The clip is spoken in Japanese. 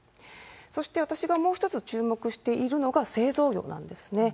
そして私がもう一つ注目しているのが、製造業なんですね。